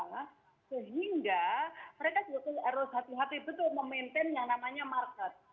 nah sehingga mereka juga harus hati hati betul memaintain yang namanya market